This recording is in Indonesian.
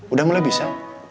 udah mulai bisa